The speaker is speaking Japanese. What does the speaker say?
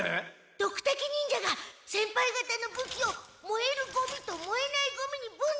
ドクタケ忍者が先輩がたの武器をもえるゴミともえないゴミに分別してて。